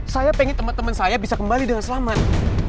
saya pengen temen temen saya bisa kembali dengan selamat